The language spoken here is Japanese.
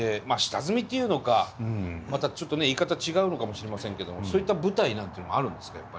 まあ下積みっていうのかまたちょっとね言い方違うのかもしれませんけどもそういった舞台なんていうのもあるんですか？